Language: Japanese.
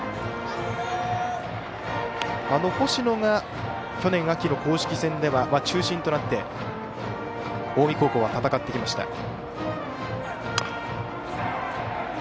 星野が去年秋の公式戦では中心となって近江高校は戦ってきました。